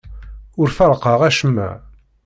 Ur ferrqeɣ acemma.